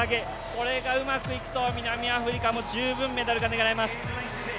これがうまくいくと南アフリカも十分メダルが狙えます。